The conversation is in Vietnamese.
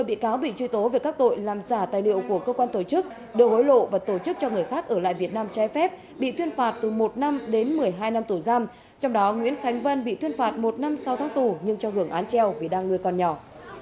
bảy bị cáo bị truy tố về tội lợi dụng chức vụ làm giả tài liệu của cơ quan tổ chức tòa án nhân dân tỉnh bình dương đã tuyên phạt hai năm sau tháng tù